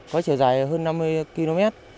có trở dài hơn năm mươi km